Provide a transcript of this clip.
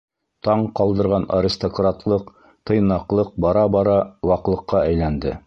Таң ҡалдырған аристократлыҡ, тыйнаҡлыҡ бара-бара ваҡлыҡҡа әйләнде.